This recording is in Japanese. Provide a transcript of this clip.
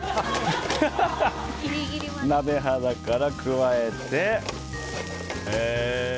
鍋肌から加えて。